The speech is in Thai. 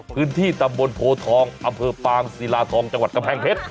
พื้นที่ตำบลโพทองอำเภอปางศิลาทองจังหวัดกำแพงเพชร